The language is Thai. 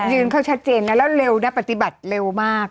จุดยืนเขาแชดเจนแล้วเร็วได้ปฏิบัติเร็วมาก